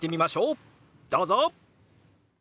どうぞ！